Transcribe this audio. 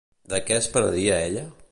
De què es penedia ella?